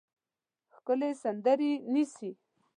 ښکلې سندرې نیسي